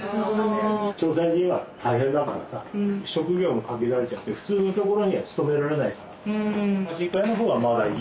朝鮮人は大変だからさ職業も限られちゃって普通のところには勤められないからパチンコ屋のほうはまだいいほう。